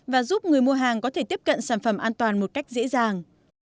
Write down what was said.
và giúp người mua hàng có thể tiếp cận sản phẩm an toàn một cách dễ dàng